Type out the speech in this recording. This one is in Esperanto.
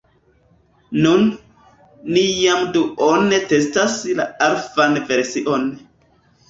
Nun, ni jam duone testas la alfan version